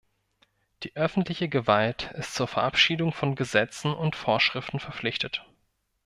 Die öffentliche Gewalt ist zur Verabschiedung von Gesetzen und Vorschriften verpflichtet.